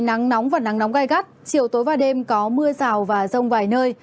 nắng nóng và nắng nóng gai gắt chiều tối và đêm có mưa rào và rông vài nơi